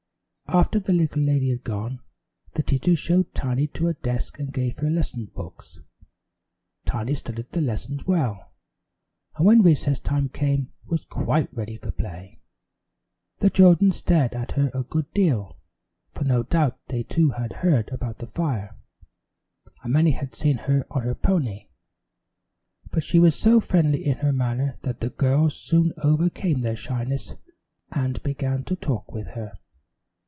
After the little lady had gone, the teacher showed Tiny to a desk and gave her lesson books. Tiny studied the lessons well, and when recess time came was quite ready for play. The children stared at her a good deal, for no doubt they too had heard about the fire, and many had seen her on her pony; but she was so friendly in her manner that the girls soon overcame their shyness and began to talk with her.